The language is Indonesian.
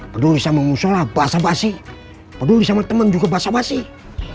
peduli sama musola basah basi peduli sama teman juga basah basih